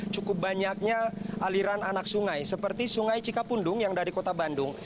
cukup banyaknya aliran anak sungai seperti sungai cikapundung yang dari kota bandung